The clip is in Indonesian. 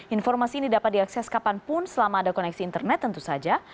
informasi ini dapat diakses kapanpun selama ada koneksi internet tentu saja